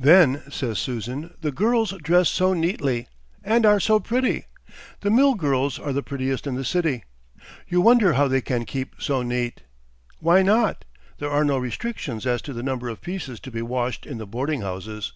"Then," says Susan, "the girls dress so neatly, and are so pretty. The mill girls are the prettiest in the city. You wonder how they can keep so neat. Why not? There are no restrictions as to the number of pieces to be washed in the boarding houses.